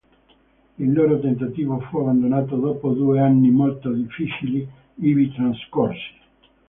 Il loro tentativo fu abbandonato dopo due anni molto difficili ivi trascorsi.